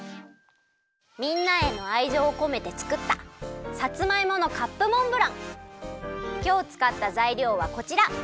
みんなへのあいじょうをこめてつくったきょうつかったざいりょうはこちら。